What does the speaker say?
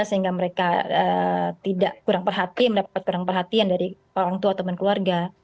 sehingga mereka tidak kurang perhati mendapat kurang perhatian dari orang tua teman keluarga